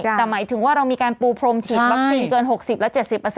แต่หมายถึงว่าเรามีการปูพรมฉีดวัคซีนเกิน๖๐และ๗๐